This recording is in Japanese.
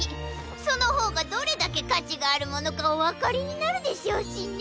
そのほうがどれだけかちがあるものかおわかりになるでしょうしね。